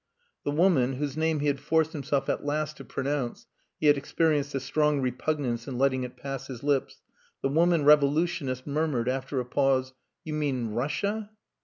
The woman, whose name he had forced himself at last to pronounce (he had experienced a strong repugnance in letting it pass his lips), the woman revolutionist murmured, after a pause "You mean Russia?"